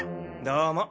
どうも。